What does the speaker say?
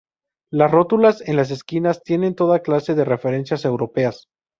Las rótulas en las esquinas tienen toda clase de referencias europeas.